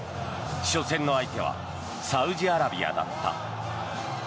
初戦の相手はサウジアラビアだった。